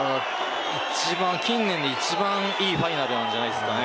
近年で一番いいファイナルなんじゃないですかね。